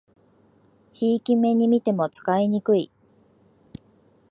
ひいき目にみても使いにくい